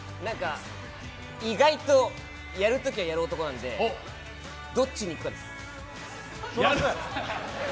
意外とやるときはやる男なんで、どっちにいくかです。